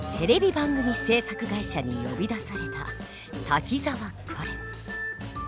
番組制作会社に呼び出された滝沢カレン。